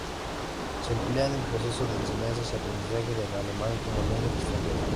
Se emplea en el proceso de enseñanza y aprendizaje del alemán como lengua extranjera.